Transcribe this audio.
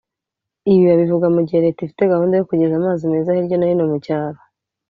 Ibi babivuga mu gihe Leta ifite gahunda yo kugeza amazi meza hirya no hino mu cyaro